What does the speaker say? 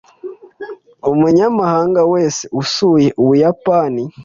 Umunyamahanga wese usuye Ubuyapani